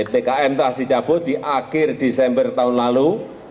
ppkm telah dicabut di akhir desember tahun lalu